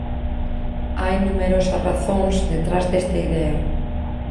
Hai numerosas razóns detrás desta idea.